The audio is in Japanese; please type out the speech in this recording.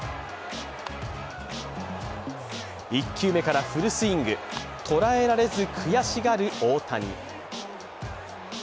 １球目からフルスイング捉えられず悔しがる大谷。